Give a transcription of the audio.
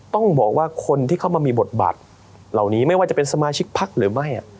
ต้องบอกว่าคนที่เข้ามามีบทบาทเหล่านี้ไม่ว่าจะเป็นสมาชิกพักหรือไม่